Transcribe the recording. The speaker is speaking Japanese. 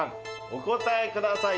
お答えください